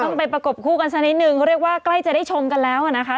ต้องไปประกบคู่กันสักนิดนึงเขาเรียกว่าใกล้จะได้ชมกันแล้วอ่ะนะคะ